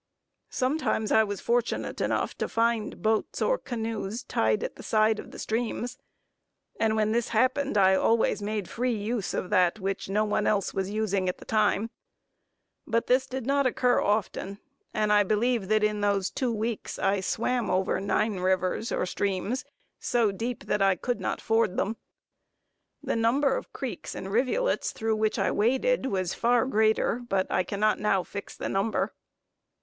Sometimes I was fortunate enough to find boats or canoes tied at the side of the streams, and when this happened, I always made free use of that which no one else was using at the time; but this did not occur often, and I believe that in these two weeks I swam over nine rivers, or streams, so deep that I could not ford them. The number of creeks and rivulets through which I waded was far greater, but I cannot now fix the number.